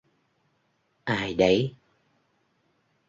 Ai đấy